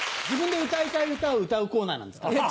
自分で歌いたい歌を歌うコーナーなんですか？